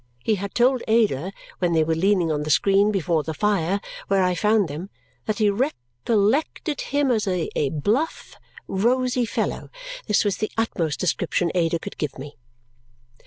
He had told Ada, when they were leaning on the screen before the fire where I found them, that he recollected him as "a bluff, rosy fellow." This was the utmost description Ada could give me.